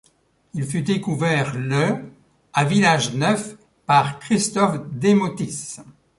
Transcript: Il fut découvert le à Village-Neuf par Christophe Demeautis.